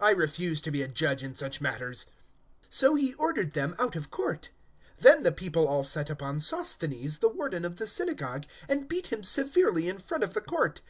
I refuse to be a judge in such matters." 018:016 So he ordered them out of court. 018:017 Then the people all set upon Sosthenes, the Warden of the synagogue, and beat him severely in front of the court.